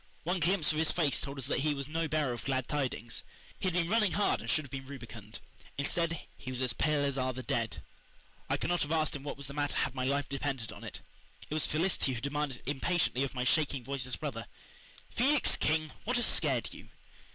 One glimpse of his face told us that he was no bearer of glad tidings. He had been running hard and should have been rubicund. Instead, he was "as pale as are the dead." I could not have asked him what was the matter had my life depended on it. It was Felicity who demanded impatiently of my shaking, voiceless brother: "Felix King, what has scared you?"